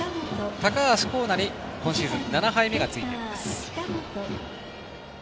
高橋光成に今シーズン７敗目がついています。